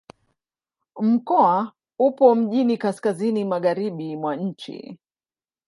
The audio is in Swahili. Mkoa upo mjini kaskazini-magharibi mwa nchi.